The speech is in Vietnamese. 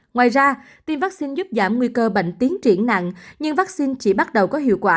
ngoài ra tiêm vaccine giúp giảm nguy cơ bệnh tiến triển nặng nhưng vaccine chỉ bắt đầu có hiệu quả